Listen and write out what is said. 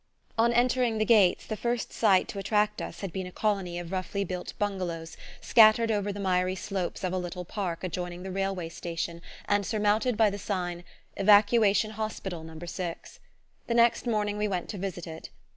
On entering the gates, the first sight to attract us had been a colony of roughly built bungalows scattered over the miry slopes of a little park adjoining the railway station, and surmounted by the sign: "Evacuation Hospital No. 6." The next morning we went to visit it.